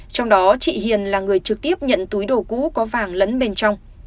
trong đó chị hiền là người trực tiếp nhận túi đồ cũ có vàng lẫn bên trong